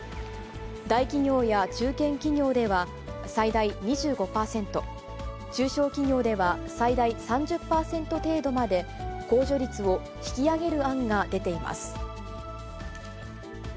大企業や中堅企業では、最大２５％、中小企業では最大３０％程度まで控除率を引き上げる案が出ています。